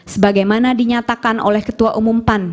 sebagai mana dinyatakan oleh ketua umum pan